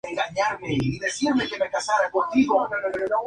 El grupo ha cambiado de cantante dos veces.